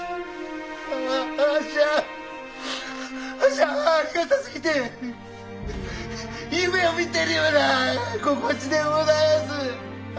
あっしはあっしはありがたすぎて夢を見ているような心地でございます！